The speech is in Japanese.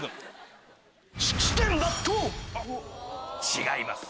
違います。